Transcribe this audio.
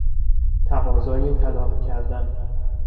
تقاضای طلاق کردن